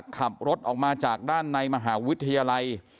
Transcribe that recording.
ขับรถออกมาจากด้านในมหาวิทยาลัย